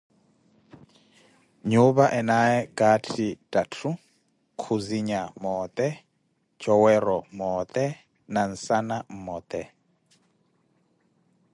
Nyuupa enaaye katthi tatthu, khuzinya moote, coworo moote na nsana mmote.